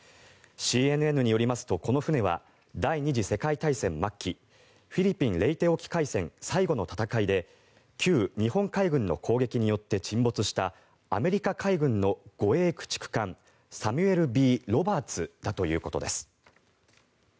ＣＮＮによりますとこの船は第２次世界大戦末期フィリピン・レイテ沖海戦最後の戦いで旧日本海軍の攻撃によって沈没したアメリカ海軍の護衛駆逐艦「サミュエル・Ｂ・ロバーツ」だということです。